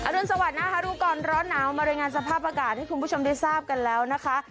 รุนสวัสดินะคะรู้ก่อนร้อนหนาวมารายงานสภาพอากาศให้คุณผู้ชมได้ทราบกันแล้วนะคะ